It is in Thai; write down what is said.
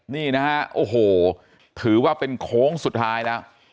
นี่นะฮะโอ้โหถือว่าเป็นโค้งสุดท้ายแล้ว